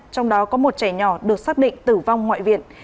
trong đó có một trẻ nhỏ được xác định tử vong ngoại viện